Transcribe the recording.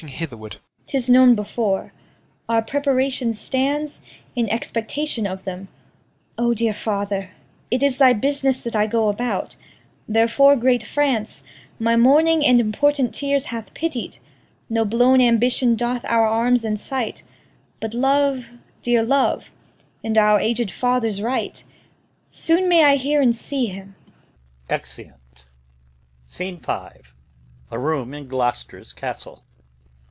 'Tis known before. Our preparation stands In expectation of them. O dear father, It is thy business that I go about. Therefore great France My mourning and important tears hath pitied. No blown ambition doth our arms incite, But love, dear love, and our ag'd father's right. Soon may I hear and see him! Exeunt. Scene V. Gloucester's Castle.